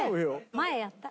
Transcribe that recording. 前やった。